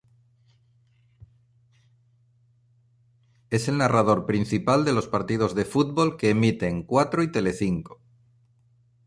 Es el narrador principal de los partidos de fútbol que emiten Cuatro y Telecinco.